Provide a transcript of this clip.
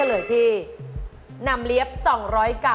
อันที่สาม